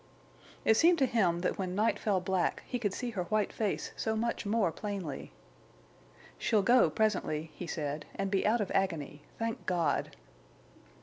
It seemed to him that when night fell black he could see her white face so much more plainly. "She'll go, presently," he said, "and be out of agony—thank God!"